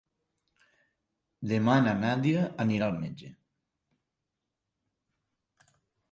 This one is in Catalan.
Demà na Nàdia anirà al metge.